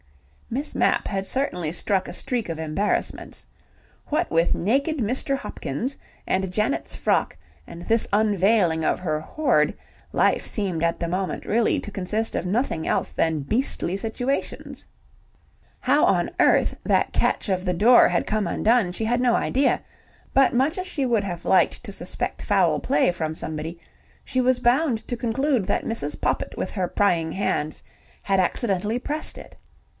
Miss Mapp had certainly struck a streak of embarrassments. What with naked Mr. Hopkins, and Janet's frock and this unveiling of her hoard, life seemed at the moment really to consist of nothing else than beastly situations. How on earth that catch of the door had come undone, she had no idea, but much as she would have liked to suspect foul play from somebody, she was bound to conclude that Mrs. Poppit with her prying hands had accidentally pressed it.